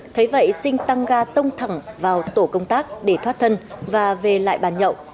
thế vậy sinh tăng ga tông thẳng vào tổ công tác để thoát thân và về lại bàn nhậu